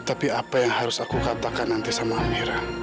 tapi apa yang harus aku katakan nanti sama mira